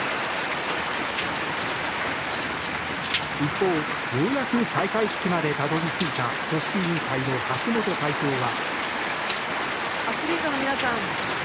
一方、ようやく開会式までたどり着いた組織委員会の橋本会長は。